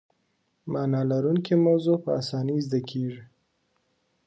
معنی لرونکې موضوع په اسانۍ زده کیږي.